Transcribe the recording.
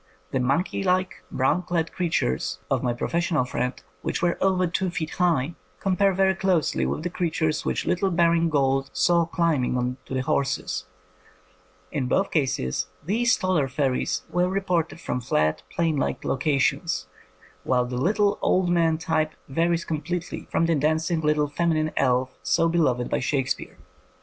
The monkey like, brown clad creatures of my professional friend, which were over two feet high, compare very closely with the creatures which little Baring Gould saw climbing on to the horses. In both cases these taller fairies were reported from flat, plain like locations; while the little old man type varies completely from the dancing little feminine elf so beloved by Shakespeare.